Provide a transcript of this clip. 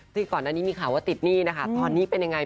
ที่ก่อนอันนี้มีข่าวว่าติดหนี้ตอนนี้เป็นอย่างไร